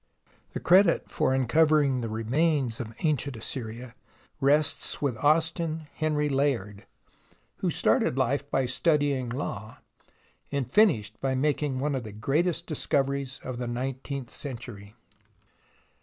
The credit of uncovering the remains of ancient Assyria rests with Austin Henry Layard, who started hfe by studying law, and finished by making one of the greatest discoveries of the nineteenth century.